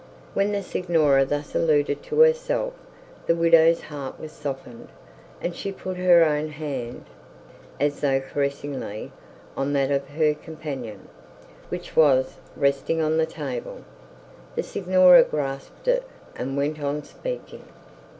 When the signora thus alluded to herself, the widow's heart was softened, and she put her own hand, as though caressingly, on that of her companion which was resting on the table. The signora grasped it and went on speaking.